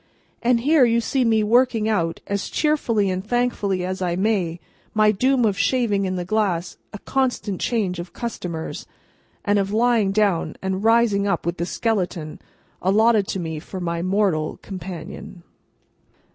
And here you see me working out, as cheerfully and thankfully as I may, my doom of shaving in the glass a constant change of customers, and of lying down and rising up with the skeleton allotted to me for my mortal companion.